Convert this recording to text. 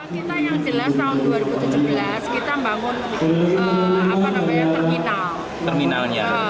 kita yang jelas tahun dua ribu tujuh belas kita membangun terminal